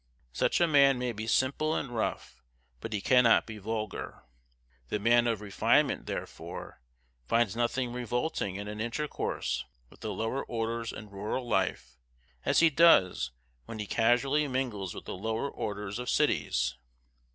Such a man may be simple and rough, but he cannot be vulgar. The man of refinement, therefore, finds nothing revolting in an intercourse with the lower orders in rural life, as he does when he casually mingles with the lower orders of cities.